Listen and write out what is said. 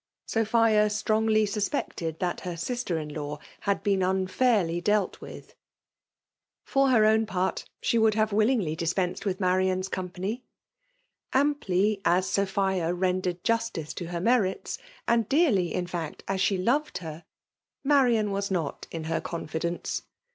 Sophia strongly suspected that her sisier in4aw had been unfairly dealt with*. For her own part she would have willingly dispensed with Marian's company. Amply] as Sopbia rendered justice to her merits, and dearly, in fact, as she loved her, Marian was nof; in her confidence.